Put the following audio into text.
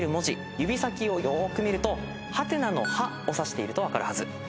指先をよーく見るとハテナの「ハ」をさしていると分かるはず。